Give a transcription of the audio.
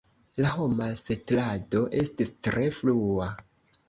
La homa setlado estis tre frua.